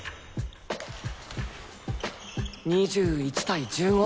２１対１５。